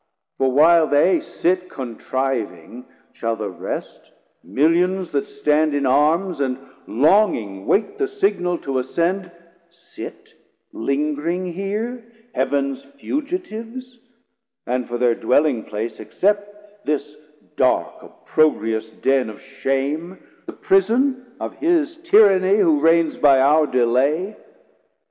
For while they sit contriving, shall the rest, Millions that stand in Arms, and longing wait The Signal to ascend, sit lingring here Heav'ns fugitives, and for thir dwelling place Accept this dark opprobrious Den of shame, The Prison of his Tyranny who Reigns By our delay?